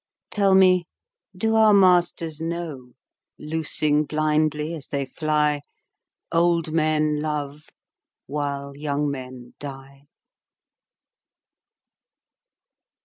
Tell me, do our masters know, Loosing blindly as they fly, Old men love while young men die?